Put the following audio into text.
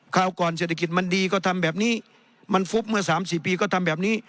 คราวก่อนเศรษฐกิจมันดีก็ทำแบบนี้มันฟุบเมื่อ๓๔ปีก็ทำแบบนี้